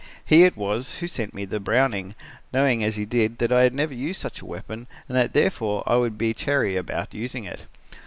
He it was, who sent me the Browning, knowing as he did that I had never used such a weapon and that therefore I would be chary about using it.